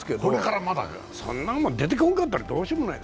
そんなもん、出てこんかったらどうしようもない。